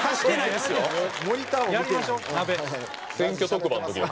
選挙特番の時の。